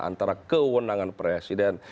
antara kewenangan presiden